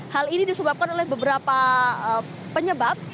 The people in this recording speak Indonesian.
hal ini disebabkan oleh beberapa penyebab